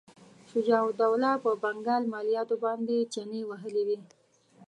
شجاع الدوله په بنګال مالیاتو باندې چنې وهلې وې.